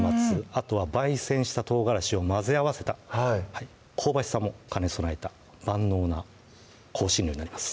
あとは焙煎したとうがらしを混ぜ合わせた香ばしさも兼ね備えた万能な香辛料になります